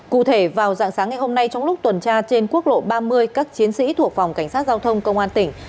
cụ thể vào dạng sáng ngày hôm nay trong lúc tuần tra trên quốc lộ ba mươi các chiến sĩ thuộc phòng cảnh sát giao thông công an tỉnh